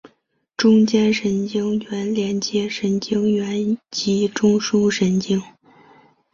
中间神经元连接神经元及中枢神经。